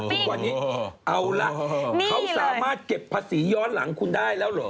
ทุกวันนี้เอาล่ะเขาสามารถเก็บภาษีย้อนหลังคุณได้แล้วเหรอ